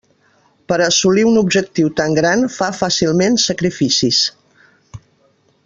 Per a assolir un objectiu tan gran, fa fàcilment sacrificis.